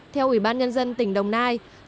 theo ủy ban nhân dân tỉnh đồng nai